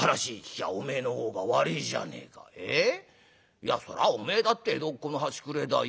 いやそりゃお前だって江戸っ子の端くれだよ。